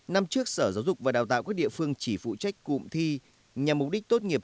năm trước sở giáo dục và đào tạo các địa phương chỉ phụ trách cụm thi nhằm mục đích tốt nghiệp